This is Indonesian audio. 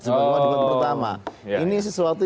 sebuah debat pertama ini sesuatu